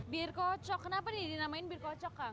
bir kocok kenapa ini dinamain bir kocok kang